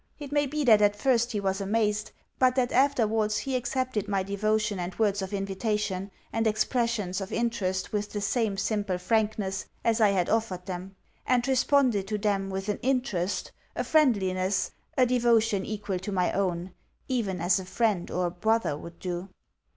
It may be that at first he was amazed, but that afterwards he accepted my devotion and words of invitation and expressions of interest with the same simple frankness as I had offered them, and responded to them with an interest, a friendliness, a devotion equal to my own, even as a friend or a brother would do.